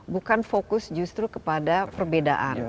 bukan fokus justru kepada perbedaan